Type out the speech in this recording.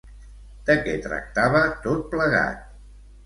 De què tractava tot plegat?